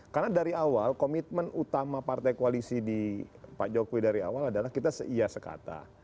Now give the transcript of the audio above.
karena dari awal komitmen utama partai koalisi di pak jokowi dari awal adalah kita ia sekata